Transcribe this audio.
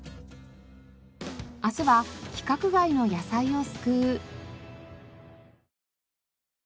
明日は規格外の野菜を救う。